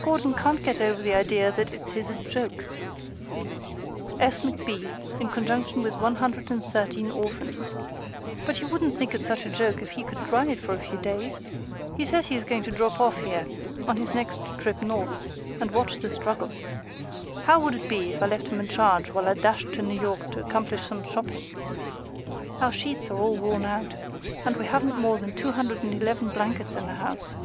Gordon can't get over the idea that it is a joke, S. McB. in conjunction with one hundred and thirteen orphans. But he wouldn't think it such a joke if he could try it for a few days. He says he is going to drop off here on his next trip North and watch the struggle. How would it be if I left him in charge while I dashed to New York to accomplish some shopping? Our sheets are all worn out, and we haven't more than two hundred and eleven blankets in the house.